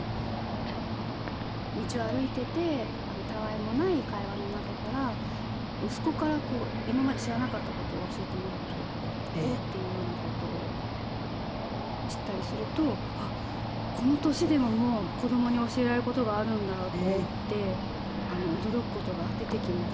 道を歩いていてたわいもない会話の中から息子から今まで知らなかった事を教えてもらったりとかおっ！っていうような事を知ったりするとあっこの年でももう子供に教えられる事があるんだと思って驚く事が出てきました。